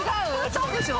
そうでしょ？